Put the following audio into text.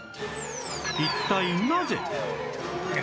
一体なぜ？